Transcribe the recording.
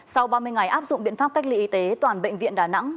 sau ba mươi ngày áp dụng biện pháp cách ly y tế toàn bệnh viện đà nẵng